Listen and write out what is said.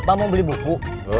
bapak mau beli buku